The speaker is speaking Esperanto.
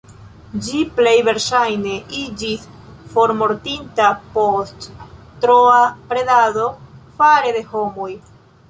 Ĝi plej verŝajne iĝis formortinta post troa predado fare de homoj.